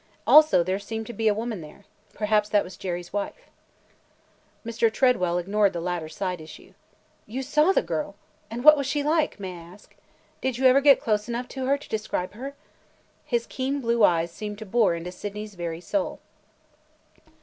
Also there seemed to be a woman there. Perhaps that was Jerry's wife." Mr. Tredwell ignored the latter side issue. "You saw the girl! and what was she like, may I ask? Did you ever get close enough to her to describe her?" His keen blue eyes seemed to bore into Sydney's very soul.